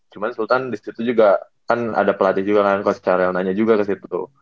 cuma sultan disitu juga kan ada pelatih juga kan coach carel nanya juga ke situ